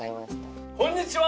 こんにちは。